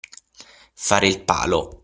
Fare il palo.